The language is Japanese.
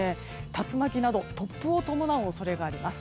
竜巻など突風を伴う恐れがあります。